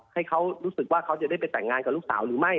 ให้เขารู้สึกว่าเขาจะได้ไปแต่งงานกับลูกสาวหรือไม่